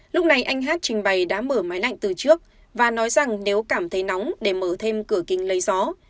lúc này anh hát trình bày đã mở máy lạnh từ trước và nói rằng nếu cảm thấy nóng để mở thêm cửa kính lấy gió